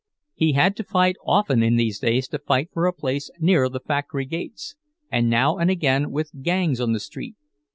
He had to fight often in these days to fight for a place near the factory gates, and now and again with gangs on the street.